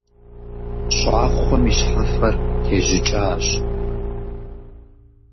ЩӀакхъуэм и щхьэфэр тежьыкӀащ.